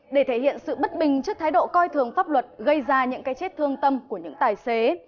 tính dự biên lái xe là một tội ác để thể hiện sự bất bình trước thái độ coi thường pháp luật gây ra những cái chết thương tâm của những tài xế